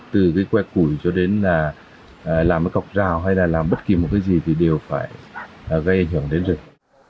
từ cái que củi cho đến là làm cái cọc rào hay là làm bất kỳ một cái gì thì đều phải gây ảnh hưởng đến rừng